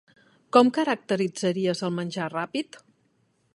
Com caracteritzaries el menjar ràpid?